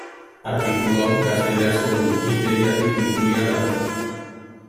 Artikulu hau Gaztelerazko Wikipediatik itzulia dago.